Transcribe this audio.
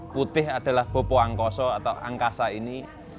putih adalah bopo angkoso atau angkasa ini